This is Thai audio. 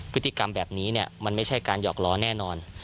พฤติกรรมแบบนี้มันไม่ใช่การหอกล้อแน่นอน